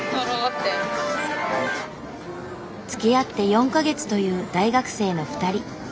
つきあって４か月という大学生の２人。